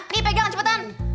nih pegang cepetan